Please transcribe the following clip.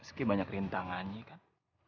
meski banyak rintangannya kan